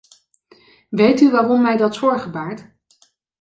Weet u waarom mij dat zorgen baart?